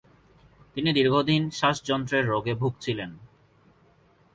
তিনি দীর্ঘদিন শ্বাসযন্ত্রের রোগে ভুগছিলেন।